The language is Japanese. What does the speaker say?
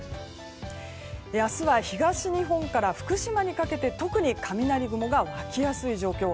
明日は東日本から福島にかけて特に雷雲が湧きやすい状況。